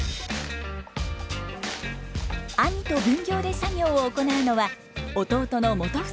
兄と分業で作業を行うのは弟の元英さんです。